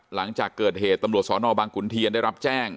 หลังจากเกิดเหตุตำรวจสนบางขุนเทียนได้รับแจ้ง